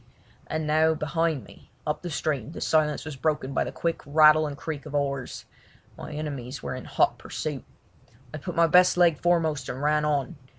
And now behind me, up the stream, the silence was broken by the quick rattle and creak of oars; my enemies were in hot pursuit. I put my best leg foremost and ran on.